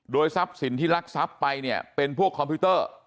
ทรัพย์สินที่ลักทรัพย์ไปเนี่ยเป็นพวกคอมพิวเตอร์